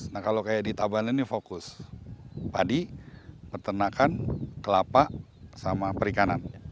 nah kalau kayak di tabanan ini fokus padi pertanakan kelapa sama perikanan